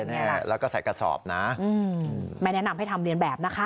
แน่แล้วก็ใส่กระสอบนะไม่แนะนำให้ทำเรียนแบบนะคะ